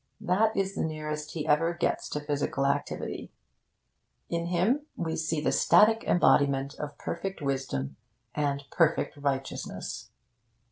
That is the nearest he ever gets to physical activity. In him we see the static embodiment of perfect wisdom and perfect righteousness.